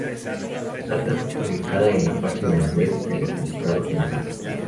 La carta fue publicada en la página web del Juzgado General.